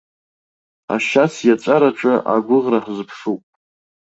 Ашьац иаҵәараҿы агәыӷра ҳзыԥшуп.